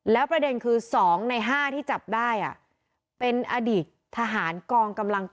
แล้วประเด็นคือ๒ใน๕ที่จับได้เป็นอดีตทหารกองกำลัง